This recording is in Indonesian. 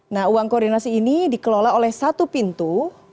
nah uang koordinasi ini dikelola oleh satu pintu